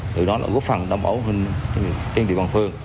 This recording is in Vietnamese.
từ đó là góp phần đảm bảo hình trên địa bàn phường